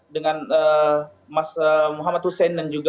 dengan mas muhammad hussein dan juga